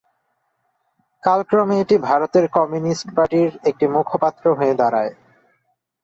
কালক্রমে এটি ভারতের কমিউনিস্ট পার্টির একটি মুখপত্র হয়ে দাঁড়ায়।